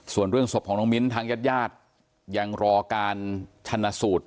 ส่วนเรื่องศพของน้องมิ้นทางญาติญาติยังรอการชนะสูตร